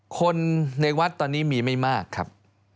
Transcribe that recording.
คนในวัดตอนนี้มีไม่มากครับ